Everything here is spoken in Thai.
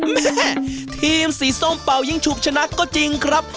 แม่ทีมสีส้มเป่ายิ่งฉุบชนะก็จริงครับ